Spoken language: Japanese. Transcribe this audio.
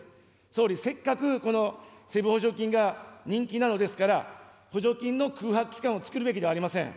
総理、せっかくこの補助金が人気なのですから、補助金の空白期間を作るべきではありません。